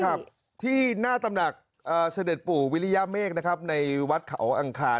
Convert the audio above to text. ครับที่หน้าตำหนักเสด็จปู่วิริยเมฆนะครับในวัดเขาอังคาร